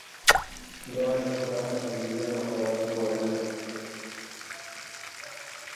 Ndowa ni furaha ya familia na kwa watu wa wili